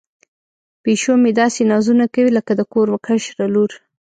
پیشو مې داسې نازونه کوي لکه د کور کشره لور.